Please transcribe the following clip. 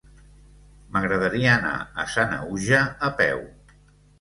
M'agradaria anar a Sanaüja a peu.